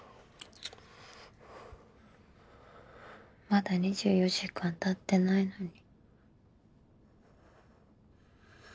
まだ２４時間たってないのに。